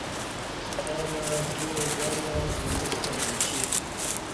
ستمع دیو ا گعاماں ایموستہ منچی